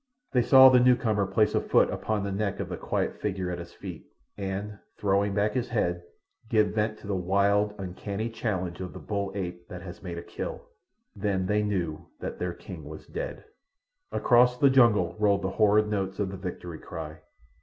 They saw the new comer place a foot upon the neck of the quiet figure at his feet and, throwing back his head, give vent to the wild, uncanny challenge of the bull ape that has made a kill. Then they knew that their king was dead. Across the jungle rolled the horrid notes of the victory cry.